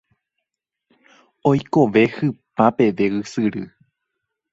Oikove hypa peve ysyry.